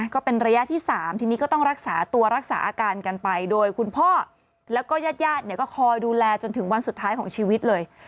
ก็เป็นระยะที่๓ทีนี้ก็ต้องรักษาตัวรักษาอาการกันไปโดยคุณพ่อแล้วก็ญาติญาติเนี่ยก็คอยดูแลจนถึงวันสุดท้ายของชีวิตเลย